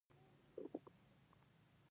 هغه د انصاف او عدالت پلوی و.